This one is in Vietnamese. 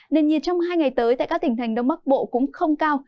nền nhiệt trong hai ngày tới tại các tỉnh thành đông bắc bộ cũng không cao